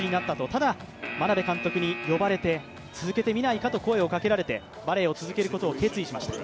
ただ、眞鍋監督に呼ばれて続けてみないかと声をかけられてバレーを続けることを決意しました。